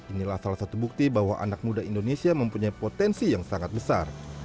inilah salah satu bukti bahwa anak muda indonesia mempunyai potensi yang sangat besar